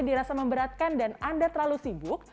dirasa memberatkan dan anda terlalu sibuk